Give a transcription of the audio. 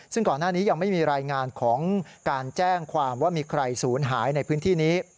ซึ่งก่อนหน้านี้ยังไม่มีรายงานของการแจ้งความว่ามีใครศูนย์หายในพื้นที่นี้